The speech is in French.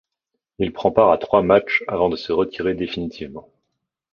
Il prend part à trois matches avant de se retirer définitivement.